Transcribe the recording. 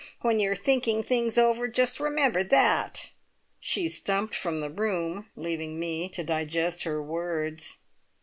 When you're thinking things over just remember that!" She stumped from the room, leaving me to digest her words.